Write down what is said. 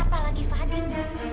apalagi fadil mbak